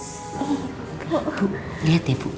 ibu liat ya